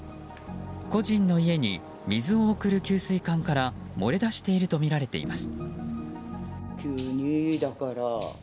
個人の家に水を送る給水管から漏れ出しているとみられています。